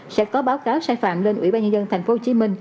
sẽ có báo cáo sai phạm lên ubnd tp hcm